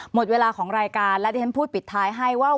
หมดเวลาของรายการและดิฉันพูดปิดท้ายให้ว่า